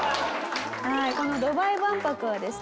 このドバイ万博はですね